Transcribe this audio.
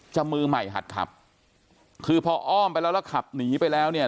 มือใหม่หัดขับคือพออ้อมไปแล้วแล้วขับหนีไปแล้วเนี่ย